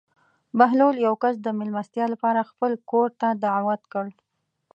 بهلول یو کس د مېلمستیا لپاره خپل کور ته دعوت کړ.